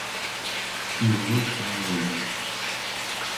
І ось на лезі.